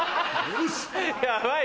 よし！